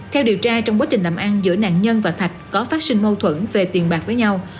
theo điều tra trong quá trình làm ăn giữa nạn nhân và thạch có phát sinh mâu thuẫn về tiền bạc với nhau